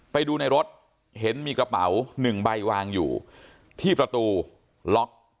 ไปดูในรถเห็นมีกระเป๋าหนึ่งใบวางอยู่ที่ประตูล็อก